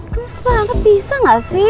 keras banget bisa gak sih